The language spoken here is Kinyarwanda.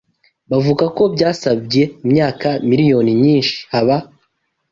Bavuga ko byasabye imyaka miliyoni nyinshi haba